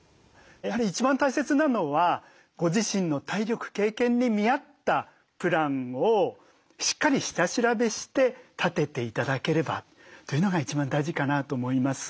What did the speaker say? やはり一番大切なのはご自身の体力経験に見合ったプランをしっかり下調べして立てて頂ければというのが一番大事かなと思います。